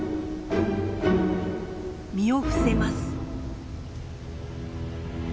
身を伏せます。